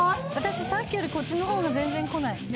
私さっきよりこっちの方が全然こない。